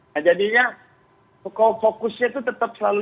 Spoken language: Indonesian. nah jadinya fokusnya itu tetap selalu